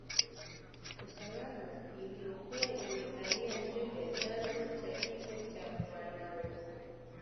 usalama iliyokuwa imevalia njuga chanzo cha kifo cha mwanawe